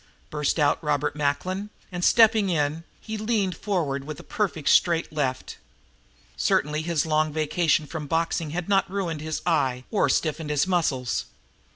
burst out Robert Macklin, and, stepping in, he leaned forward with a perfect straight left. Certainly his long vacation from boxing had not ruined his eye or stiffened his muscles.